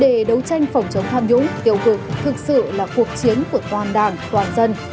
để đấu tranh phòng chống tham nhũng tiêu cực thực sự là cuộc chiến của toàn đảng toàn dân